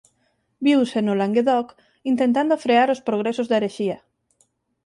Viuse no Languedoc intentando frear os progresos da herexía.